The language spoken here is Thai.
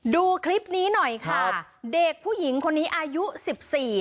ดูคลิปนี้หน่อยค่ะเด็กผู้หญิงคนนี้อายุสิบสี่